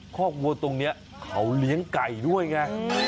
คอกวัวตรงนี้เขาเลี้ยงไก่ด้วยไง